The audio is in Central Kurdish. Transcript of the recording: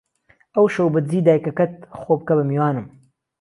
ئهو شهو به دزی دایکهکهت خۆ بکه به میوانم